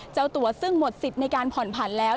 เจ้าตัวซึ่งหมดสิทธิ์ในการผ่อนผันแล้ว